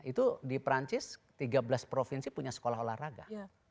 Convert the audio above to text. itu di perancis tiga belas provinsi punya sekolah olahraga